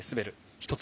１つ